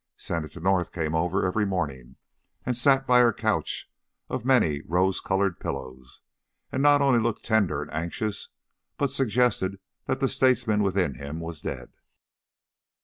Senator North came over every morning and sat by her couch of many rose coloured pillows; and not only looked tender and anxious, but suggested that the statesman within him was dead.